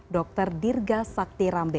dr dirga sakti ramde